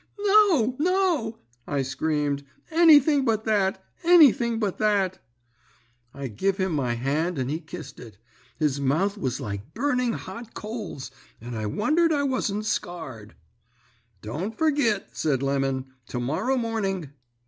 "'No, no!' I screamed; 'anything but that, anything but that!" "I give him my hand, and he kissed it. His mouth was like burning hot coals, and I wondered I wasn't scarred. "'Don't forgit,' said Lemon, 'to morrow morning.'